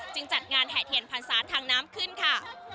จัดงานแห่เทียนพรรษาทางน้ำขึ้นค่ะ